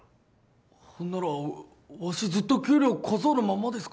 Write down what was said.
ほんならわしずっと給料小僧のまんまですか？